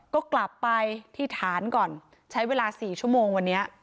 ก็กลับไปที่ฐานก่อนใช้เวลา๔ชั่วโมงวันนี้